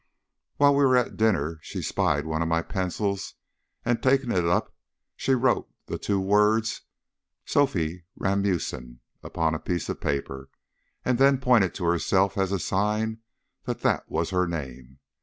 While we were at dinner she spied one of my pencils, and taking it up she wrote the two words "Sophie Ramusine" upon a piece of paper, and then pointed to herself as a sign that that was her name.